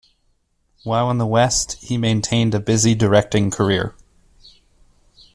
While in the West he maintained a busy directing career.